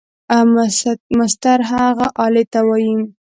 مسطر هغې آلې ته وایي.